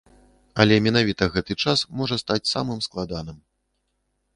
Але менавіта гэты час можа стаць самым складаным.